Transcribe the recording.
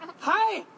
はい！